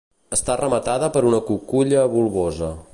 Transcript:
Està rematada per una cuculla bulbosa.